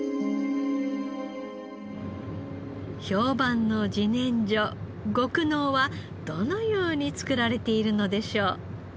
評判の自然薯極濃はどのように作られているのでしょう？